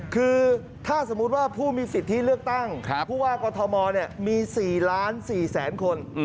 คือถ้าสมมุติว่าผู้มีสิทธิเลือกตั้งผู้ว่ากอทมมี๔๔๐๐๐คน